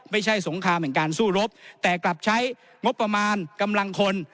สงครามแห่งการสู้รบแต่กลับใช้งบประมาณกำลังคน